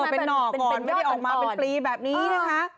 เป็นหนอกก่อนไม่ได้ออกมาเป็นปลีแบบนี้นะคะ